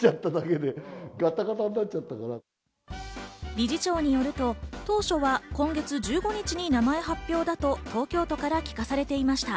理事長によると、当初は今月１５日に名前発表だと東京都から聞かされていました。